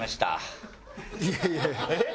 いやいやいやえっ？